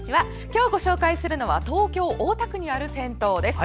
今日ご紹介するのは東京・大田区にある銭湯です。